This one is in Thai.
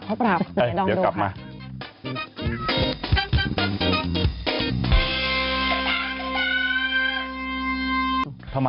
เดี๋ยวกลับมา